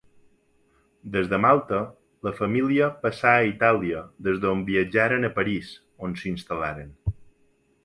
Des de Malta, la família passà a Itàlia des d'on viatjaren a París on s'instal·laren.